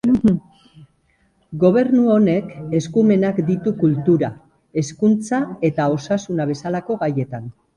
Gobernu honek eskumenak ditu kultura, hezkuntza eta osasuna bezalako gaietan.